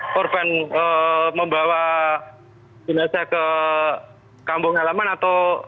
korban membawa binasa ke kambung halaman atau